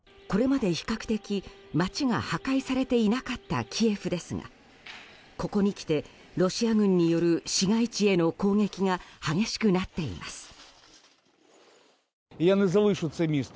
これまで比較的街が破壊されていなかったキエフですがここにきてロシア軍による市街地への攻撃が激しくなっています。